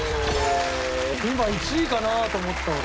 今１位かなと思った俺。